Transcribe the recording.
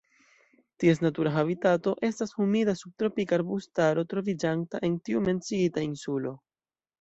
Ties natura habitato estas humida subtropika arbustaro troviĝanta en tiu menciita insulo.